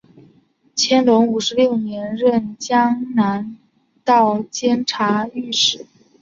乾隆五十九年任江南道监察御史。